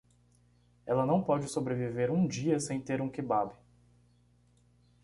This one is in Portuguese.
Ela não pode sobreviver um dia sem ter um kebab.